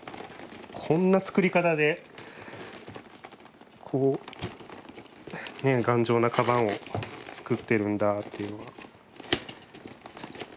こんな作り方でこう頑丈なカバンを作ってるんだっていうのが。